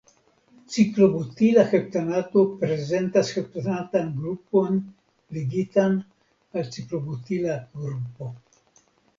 Ciklobutila heptanato prezentas heptanatan grupon ligitan al ciklobutila grupo.